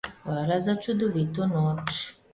Hvala za čudovito noč.